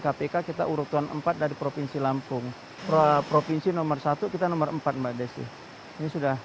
kpk kita urutan empat dari provinsi lampung provinsi nomor satu kita nomor empat mbak desi ini sudah